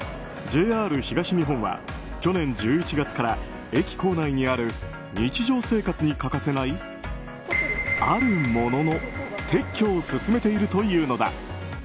ＪＲ東日本は、去年１１月から駅構内にある日常生活に欠かせないあるものの撤去を進めているというのだ。